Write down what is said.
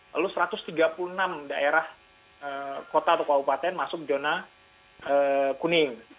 lalu satu ratus tiga puluh enam daerah kota atau kabupaten masuk zona kuning